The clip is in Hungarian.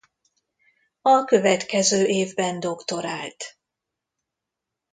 A következő évben doktorált.